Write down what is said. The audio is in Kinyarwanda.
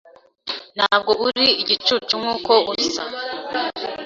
Ntabwo uri igicucu nkuko usa.